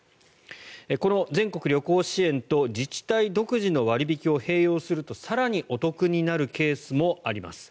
この全国旅行支援と自治体独自の割引を併用すると更にお得になるケースもあります。